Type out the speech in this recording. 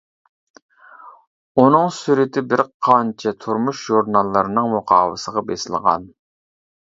ئۇنىڭ سۈرىتى بىرقانچە تۇرمۇش ژۇرناللىرىنىڭ مۇقاۋىسىغا بېسىلغان.